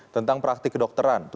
tentang praktik kedokteran